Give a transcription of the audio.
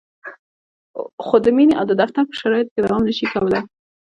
خو د مینې او د دفتر په شرایطو کې دوام نشي کولای.